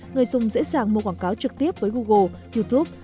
người dùng dễ dàng mua quảng cáo trực tiếp với google youtube